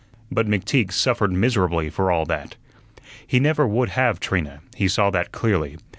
But McTeague suffered miserably for all that. He never would have Trina, he saw that clearly.